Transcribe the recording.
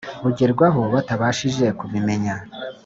Bugerwaho batabashije kubimenya